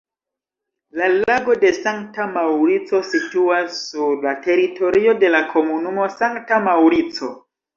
La Lago de Sankta Maŭrico situas sur la teritorio de la komunumo Sankta Maŭrico.